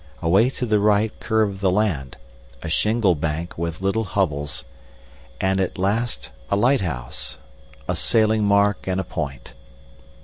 Away to the right curved the land, a shingle bank with little hovels, and at last a lighthouse, a sailing mark and a point.